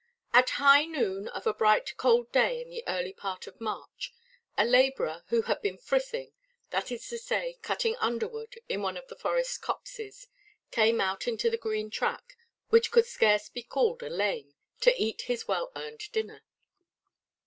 At high noon of a bright cold day in the early part of March, a labourer who had been "frithing," that is to say, cutting underwood in one of the forest copses, came out into the green track, which could scarce be called a "lane," to eat his well–earned dinner.